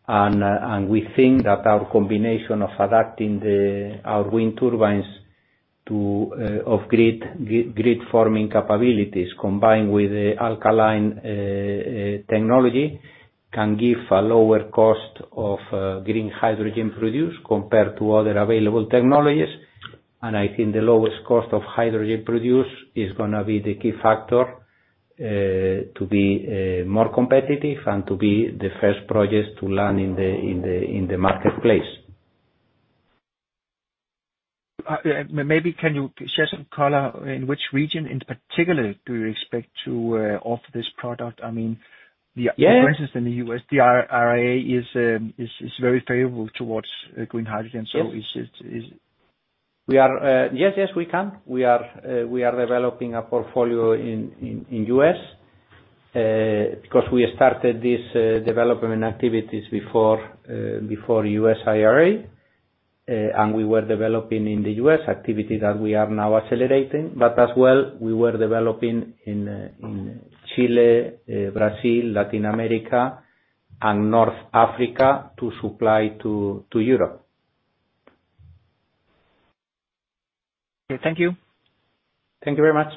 We think that our combination of adapting our wind turbines to off grid farming capabilities combined with the alkaline technology can give a lower cost of green hydrogen produced compared to other available technologies. I think the lowest cost of hydrogen produced is gonna be the key factor to be more competitive and to be the first project to land in the marketplace. Maybe can you shed some color in which region in particular do you expect to offer this product? I mean, Yeah. For instance, in the U.S., the IRA is very favorable towards green hydrogen. Yes. Is it. Yes, yes, we can. We are, we are developing a portfolio in U.S., because we started this development activities before U.S. IRA, and we were developing in the U.S. activity that we are now accelerating, but as well we were developing in Chile, Brazil, Latin America and North Africa to supply to Europe. Okay. Thank you. Thank you very much.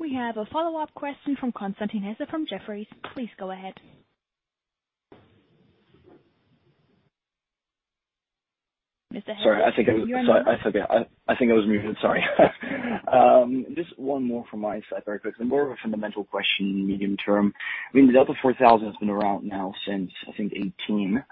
We have a follow-up question from Constantin Hesse from Jefferies. Please go ahead. Mr. Hesse, you're on mute. Sorry. I said, yeah. I think I was muted. Sorry. Just one more from my side, very quick. It's more of a fundamental question, medium term. I mean, the Delta4000 has been around now since, I think 2018.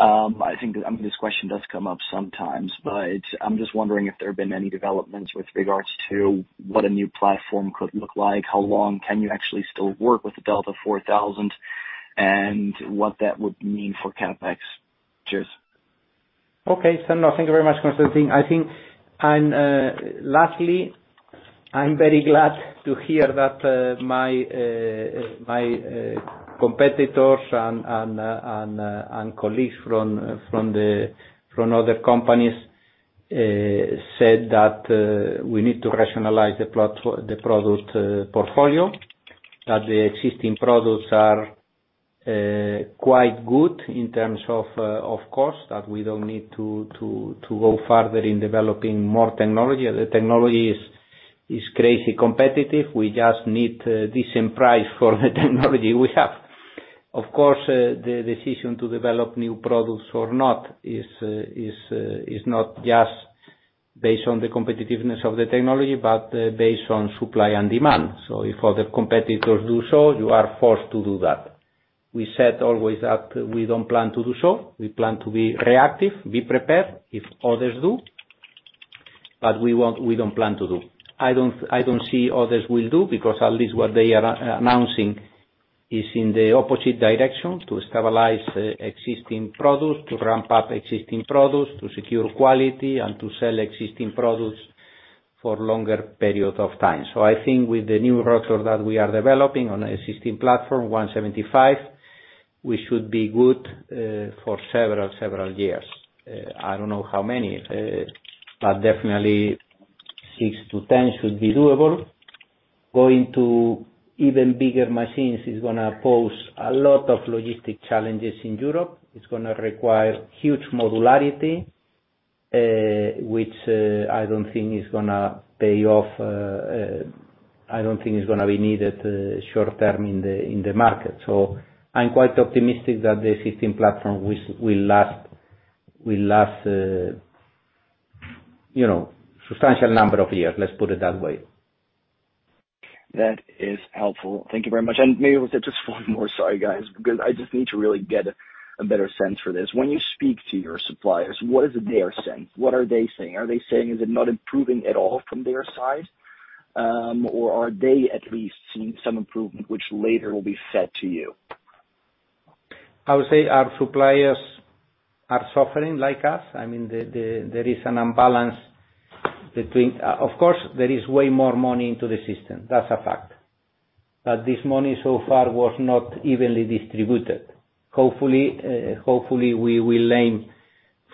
I think, I mean, this question does come up sometimes, but I'm just wondering if there have been any developments with regards to what a new platform could look like, how long can you actually still work with the Delta4000 and what that would mean for CapEx. Cheers. Okay. No, thank you very much, Constantin. I think and lastly, I'm very glad to hear that my competitors and colleagues from the from other companies said that we need to rationalize the product portfolio, that the existing products are quite good in terms of cost, that we don't need to go farther in developing more technology. The technology is crazy competitive. We just need a decent price for the technology we have. Of course, the decision to develop new products or not is not just based on the competitiveness of the technology, but based on supply and demand. If other competitors do so, you are forced to do that. We said always that we don't plan to do so. We plan to be reactive, be prepared if others do. We don't plan to do. I don't see others will do, because at least what they are announcing is in the opposite direction, to stabilize existing products, to ramp up existing products, to secure quality and to sell existing products for longer period of time. I think with the new rotor that we are developing on existing platform N175, we should be good for several years. I don't know how many, definitely six to ten should be doable. Going to even bigger machines is gonna pose a lot of logistic challenges in Europe. It's gonna require huge modularity, which I don't think is gonna pay off. I don't think it's gonna be needed short term in the market. I'm quite optimistic that the existing platform will last, you know, substantial number of years, let's put it that way. That is helpful. Thank you very much. Maybe just one more sorry, guys, because I just need to really get a better sense for this. When you speak to your suppliers, what is it they are saying? What are they saying? Are they saying, is it not improving at all from their side, or are they at least seeing some improvement which later will be fed to you? I would say our suppliers are suffering like us. I mean, the there is an imbalance between... Of course, there is way more money into the system. That's a fact. This money so far was not evenly distributed. Hopefully we will aim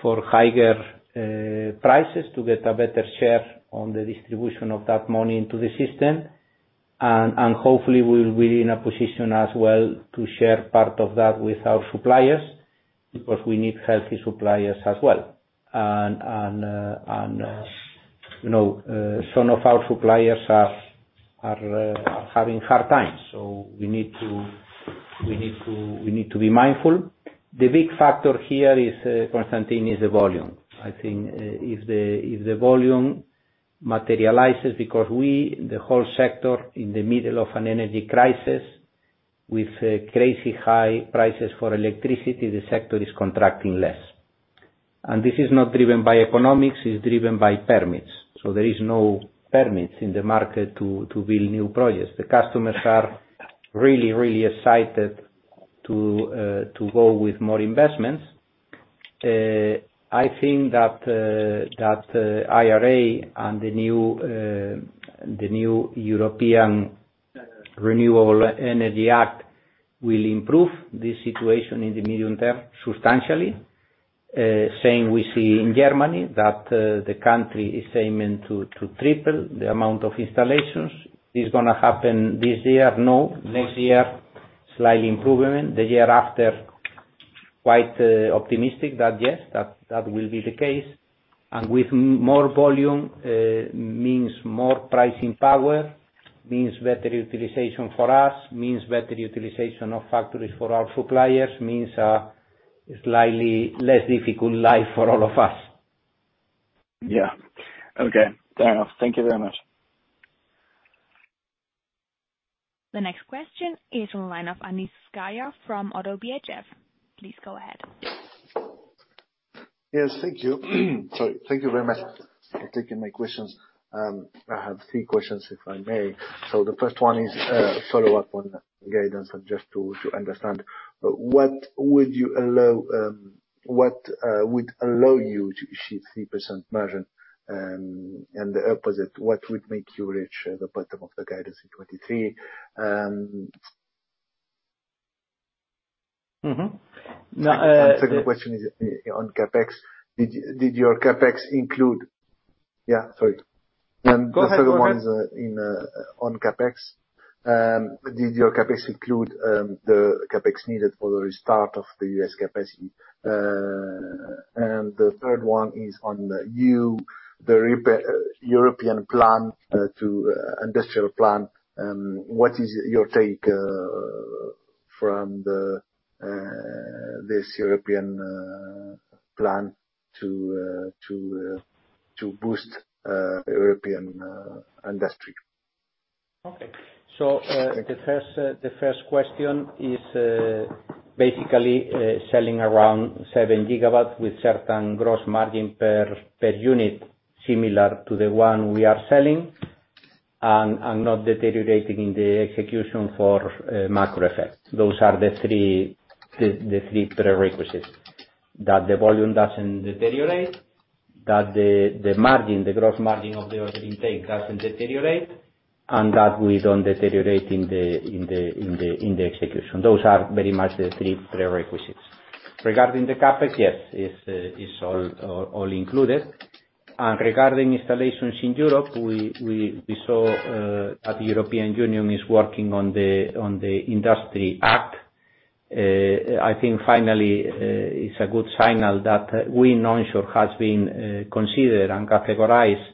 for higher prices to get a better share on the distribution of that money into the system. Hopefully we will be in a position as well to share part of that with our suppliers, because we need healthy suppliers as well. You know, some of our suppliers are having hard times, so we need to be mindful. The big factor here is Constantin, is the volume. I think if the volume materializes because we, the whole sector in the middle of an energy crisis with crazy high prices for electricity, the sector is contracting less. This is not driven by economics, it's driven by permits. There is no permits in the market to build new projects. The customers are really excited to go with more investments. I think that IRA and the new European Renewable Energy Act will improve the situation in the medium term, substantially. Same we see in Germany that the country is aiming to triple the amount of installations. Is gonna happen this year? No. Next year, slightly improvement. The year after, quite optimistic that yes, that will be the case. With more volume, means more pricing power, means better utilization for us, means better utilization of factories for our suppliers, means a slightly less difficult life for all of us. Yeah. Okay. Fair enough. Thank you very much. The next question is on line of Anis Zgaya from ODDO BHF. Please go ahead. Yes. Thank you. Sorry. Thank you very much for taking my questions. I have three questions, if I may. The first one is, follow-up on guidance and just to understand, what would you allow, what would allow you to achieve 3% margin, and the opposite, what would make you reach the bottom of the guidance in 2023? Now. The second question is, on CapEx. Did your CapEx include... Yeah. Sorry. Go ahead. The second one is, in, on CapEx. Did your CapEx include, the CapEx needed for the restart of the U.S. capacity? The third one is on the new, the European plan, to, industrial plan. What is your take, from this European, plan to boost, European, industry? The first question is basically selling around 7 GW with certain gross margin per unit similar to the one we are selling and not deteriorating in the execution for macro effect. Those are the three prerequisites. That the volume doesn't deteriorate, that the margin, the gross margin of the order intake doesn't deteriorate, and that we don't deteriorate in the execution. Those are very much the three prerequisites. Regarding the CapEx, yes, it's all included. Regarding installations in Europe, we saw that the European Union is working on the Industry Act. I think finally, it's a good signal that wind onshore has been considered and categorized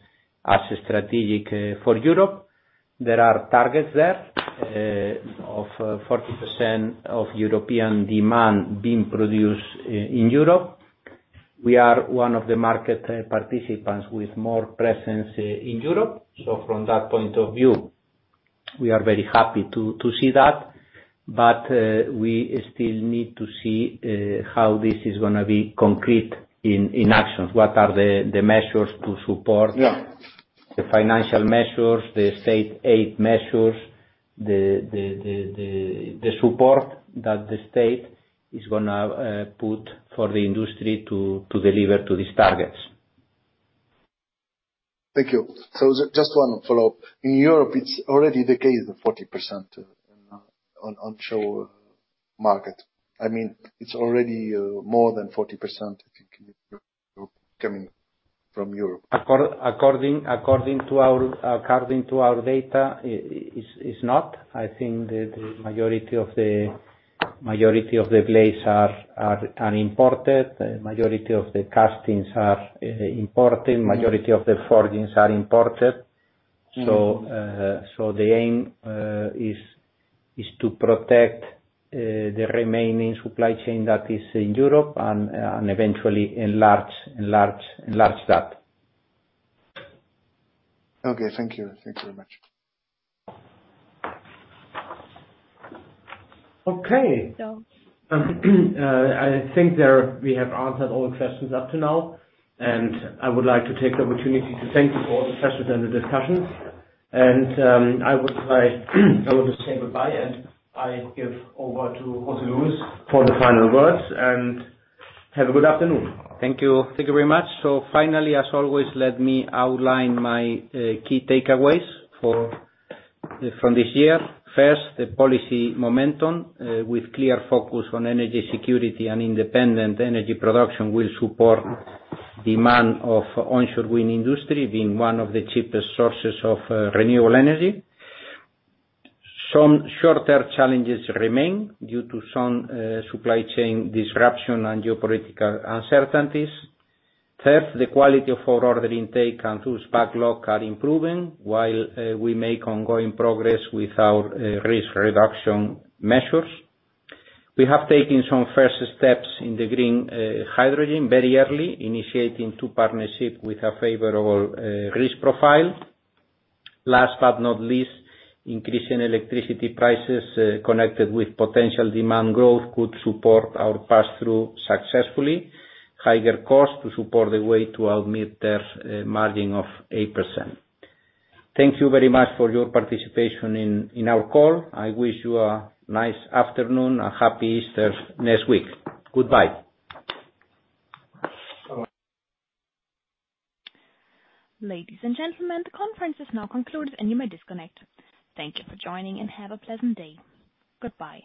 as strategic for Europe. There are targets there of 40% of European demand being produced in Europe. We are one of the market participants with more presence in Europe. From that point of view, we are very happy to see that. We still need to see how this is gonna be concrete in actions. What are the measures to support. Yeah. The financial measures, the state aid measures, the support that the state is gonna put for the industry to deliver to these targets. Thank you. Just one follow-up. In Europe, it's already the case, the 40%, on onshore market. I mean, it's already more than 40%, I think, coming from Europe. According to our data, it's not. I think the majority of the blades are imported, the majority of the castings are imported, majority of the forgings are imported. The aim is to protect the remaining supply chain that is in Europe and eventually enlarge that. Okay. Thank you. Thank you very much. Okay. I think there we have answered all the questions up to now. I would like to take the opportunity to thank you for all the questions and the discussions. I would just say goodbye, and I give over to José Luis for the final words. Have a good afternoon. Thank you. Thank you very much. Finally, as always, let me outline my key takeaways from this year. First, the policy momentum, with clear focus on energy security and independent energy production will support demand of onshore wind industry being one of the cheapest sources of renewable energy. Some shorter challenges remain due to some supply chain disruption and geopolitical uncertainties. Third, the quality of our order intake and those backlog are improving while we make ongoing progress with our risk reduction measures. We have taken some first steps in the green hydrogen very early, initiating two partnership with a favorable risk profile. Last but not least, increase in electricity prices, connected with potential demand growth could support our pass-through successfully. Higher costs to support the way to our mid-term margin of 8%. Thank you very much for your participation in our call. I wish you a nice afternoon, a happy Easter next week. Goodbye. Bye-bye. Ladies and gentlemen, the conference is now concluded and you may disconnect. Thank you for joining, and have a pleasant day. Goodbye.